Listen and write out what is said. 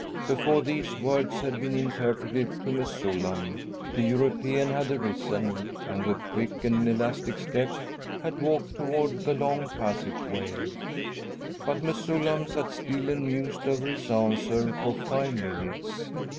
Before these words had been interpreted to Mesullam, the European had arisen and with quick and elastic step had walked toward the long passage way. But Mesullam sat still and mused over his answer for five minutes.